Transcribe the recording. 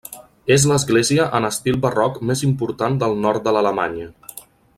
És l'església en estil barroc més important del nord de l'Alemanya.